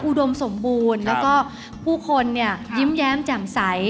อุดมสมบูรณ์แล้วก็ผู้คนเนี่ยยิ้มแย้มแจ่มใส